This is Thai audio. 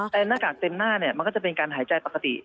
แต่หน้ากากเต็มหน้าเนี่ยมันก็จะเป็นการหายใจปกติ